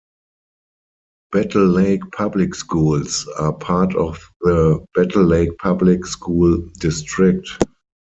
Battle Lake Public Schools are part of the Battle Lake Public School District.